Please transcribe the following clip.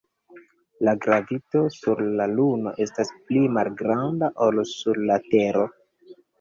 La gravito sur la Luno estas pli malgranda ol sur la Tero.